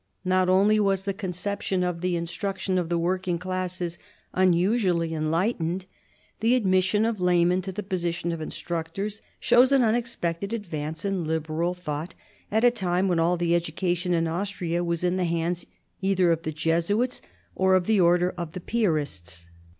Not only was the conception of the instruction of the working classes unusually enlightened, the admission of laymen to the position of instructors shows an unexpected advance in liberal thought, at a time when all education in Austria was in the hands either of the Jesuits or of the order of the Piarists.